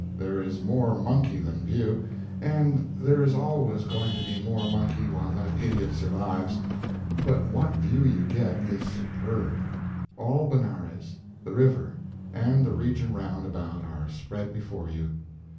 There is more monkey than view, and there is always going to be more monkey while that idiot survives, but what view you get is superb. All Benares, the river, and the region round about are spread before you.